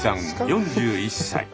４１歳。